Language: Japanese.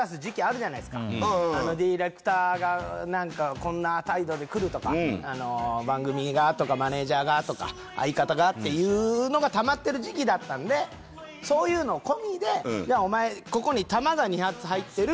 「何かこんな態度でくる」とか「番組が」とか「マネージャーが」とか「相方が」っていうのがたまってる時期だったんでそういうの込みで「じゃお前ここに弾が２発入ってる」